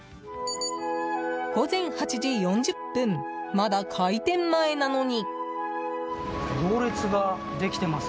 午前８時４０分まだ開店前なのに。